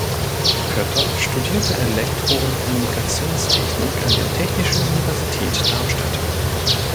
Kötter studierte Elektro- und Kommunikationstechnik an der Technischen Universität Darmstadt.